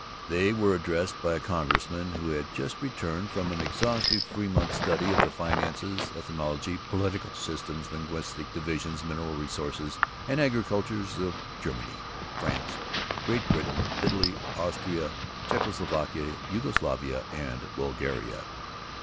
They were addressed by a congressman who had just returned from an exhaustive three months study of the finances, ethnology, political systems, linguistic divisions, mineral resources, and agriculture of Germany, France, Great Britain, Italy, Austria, Czechoslovakia, Jugoslavia, and Bulgaria.